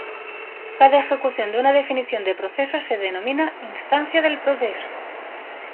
Cada ejecución de una definición de proceso se denomina "instancia del proceso".